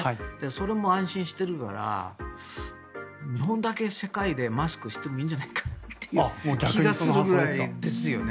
それも安心しているから日本だけ世界でマスクしてもいいんじゃないかなという気がするぐらいですよね。